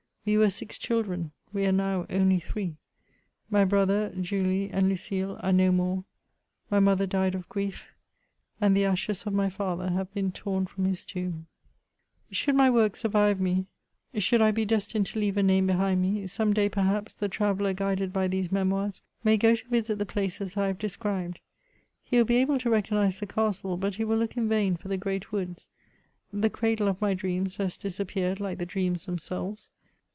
We were six children — ^we are now only three. My brother, Julia, and Lucile are no more ; my mother died of grief; and the ashes of my father have been torn from his tomb. CHATEAUBRIAND. 147 Should my works Bunrive me — should I he destined to leave a name hehind me» some day, perhaps, the trayefier guided hy these Memoirs, may go to visit the places I have described. He will be able to recognize the castle, but he will look in vain for the great woods : the cradle of my dreams has disappeared like the dreams themselves.